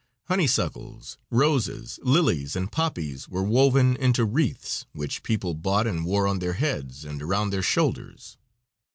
Honeysuckles, roses, lilies and poppies were woven into wreaths, which people bought and wore on their heads and around their shoulders.